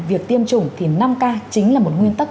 việc tiêm chủng thì năm k chính là một nguyên tắc